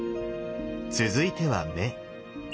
続いては目。